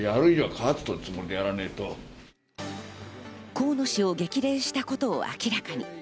河野氏を激励したことを明らかに。